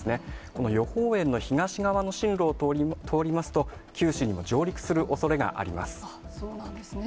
この予報円の東側の進路を通りますと、九州にも上陸するおそれがそうなんですね。